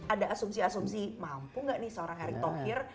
ada asumsi asumsi mampu nggak nih seorang erick thohir